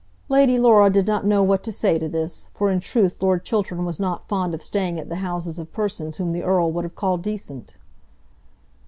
Lady Laura did not know what to say to this, for in truth Lord Chiltern was not fond of staying at the houses of persons whom the Earl would have called decent.